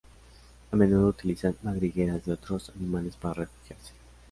A menudo utilizan madrigueras de otros animales para refugiarse.